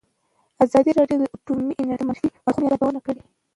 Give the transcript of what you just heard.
ازادي راډیو د اټومي انرژي د منفي اړخونو یادونه کړې.